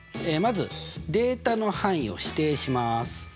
まずデータの範囲を指定します。